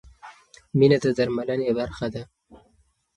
مینه د درملنې برخه ده.